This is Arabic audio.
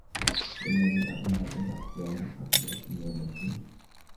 وَالَّذي أَطمَعُ أَن يَغفِرَ لي خَطيئَتي يَومَ الدّينِ